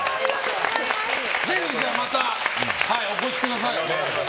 ぜひまたお越しください。